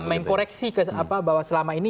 mengkoreksi bahwa selama ini